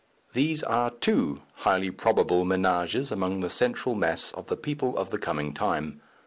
These are two highly probably ménages among the central mass of the people of the coming time.